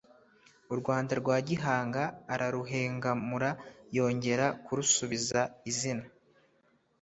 u Rwanda rwa Gihanga araruhengamura yongera kurusubiza izina